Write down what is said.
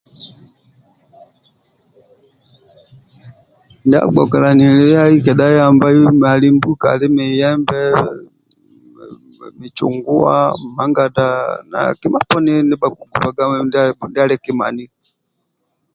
ndiagbokilyani liai kedha hambai nali mbukai ali miyembe michunguwa mangada na kima poni ndiba kigubhaga ndia liki maniyo